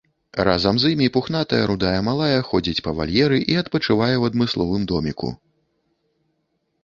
Разам з імі пухнатая рудая малая ходзіць па вальеры і адпачывае ў адмысловым доміку.